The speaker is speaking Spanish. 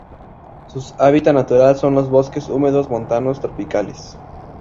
Sus hábitat natural son los bosques húmedos montanos tropicales.